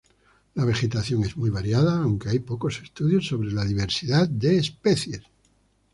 La vegetación es muy variada, aunque hay pocos estudios sobre la diversidad de especies.